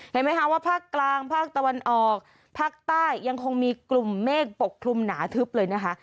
เห็นไหมคะว่าภาคกลางภาคตะวันออกภาคใต้ยังคงมีกลุ่มเมฆปกคลุมหนาทึบเลยนะคะ